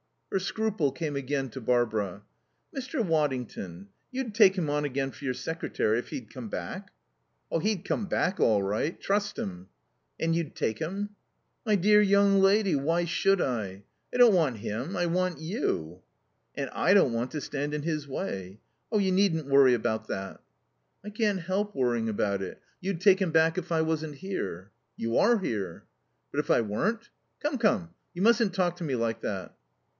Her scruple came again to Barbara. "Mr. Waddington, you'd take him on again for your secretary if he'd come back?" "He'd come back all right. Trust him." "And you'd take him?" "My dear young lady, why should I? I don't want him; I want you." "And I don't want to stand in his way." "You needn't worry about that." "I can't help worrying about it. You'd take him back if I wasn't here." "You are here." "But if I weren't?" "Come, come. You mustn't talk to me like that."